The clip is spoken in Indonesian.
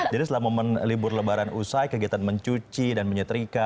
jadi selama menelibur lebaran usai kegiatan mencuci dan menyetrika